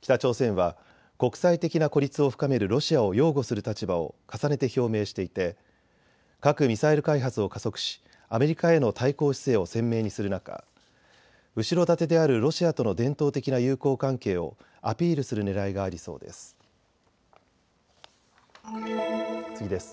北朝鮮は国際的な孤立を深めるロシアを擁護する立場を重ねて表明していて核・ミサイル開発を加速しアメリカへの対抗姿勢を鮮明にする中、後ろ盾であるロシアとの伝統的な友好関係をアピールするねらいがありそうです。